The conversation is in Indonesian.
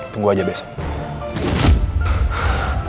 tunggu aja besok